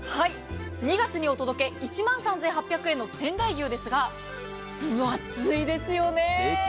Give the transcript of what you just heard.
２月にお届け、１万３８００円の仙台牛ですが分厚いですよね。